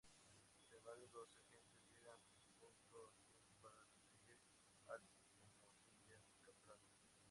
Sin embargo los agentes llegan justo a tiempo para perseguir al homicida y capturarlo.